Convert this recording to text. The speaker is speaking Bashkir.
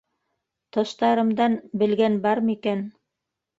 Тыштарымдан белгән бар микән.